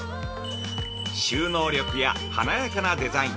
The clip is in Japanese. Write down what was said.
◆収納力や華やかなデザイン。